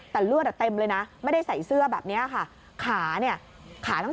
แต่เลือดทั้งเต็มเลยนะไม่ได้ใส่เสื้อแบบแบบนี้ค่ะ